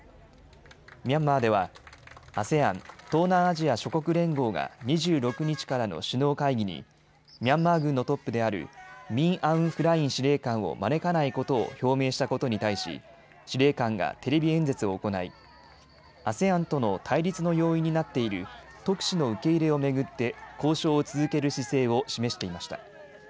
ミャンマーではＡＳＥＡＮ・東南アジア諸国連合が２６日からの首脳会議にミャンマー軍のトップであるミン・アウン・フライン司令官を招かないことを表明したことに対し司令官がテレビ演説を行い、ＡＳＥＡＮとの対立の要因になっている特使の受け入れを巡って交渉を続ける姿勢を示していました。